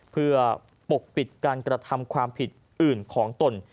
เพื่อปกปิดการกระทำความผิดอื่นของตน